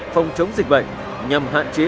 phòng chống dịch bệnh nhằm hạn chế